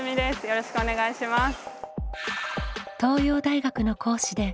よろしくお願いします。